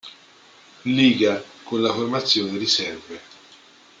Līga con la formazione riserve.